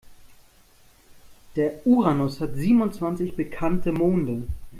Der Uranus hat siebenundzwanzig bekannte Monde.